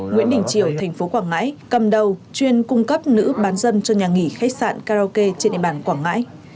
nguyễn đình triều tp quảng ngãi cầm đầu chuyên cung cấp nữ bán dâm cho nhà nghỉ khách sạn karaoke trên địa bàn quảng ngãi